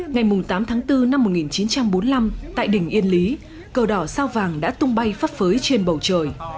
ngày tám tháng bốn năm một nghìn chín trăm bốn mươi năm tại đỉnh yên lý cờ đỏ sao vàng đã tung bay phấp phới trên bầu trời